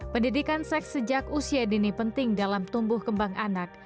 pendidikan seks sejak usia dini penting dalam tumbuh kembang anak